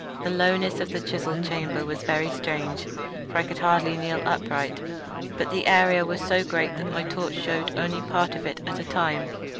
The lowness of the chiselled chamber was very strange, for I could hardly more than kneel upright; but the area was so great that my torch shewed only part at a time.